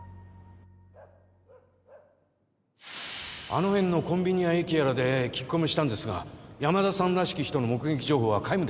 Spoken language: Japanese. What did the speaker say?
あの辺のコンビニや駅やらで聞き込みしたんですが山田さんらしき人の目撃情報は皆無でした